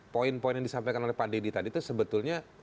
poin poin yang disampaikan oleh pak dedy tadi itu sebetulnya